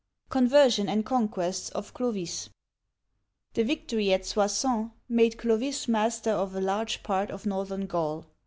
CONVERSION AND CONQUESTS OF CLOVIS THE victory at Soissons made Clovis master of a large part of northern Gaul.